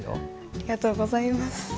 ありがとうございます。